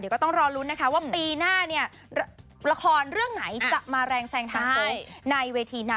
ก็กลายทีกับทุกรางวัลด้วยนะ